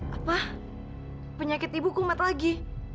apa penyakit ibu kumat lagi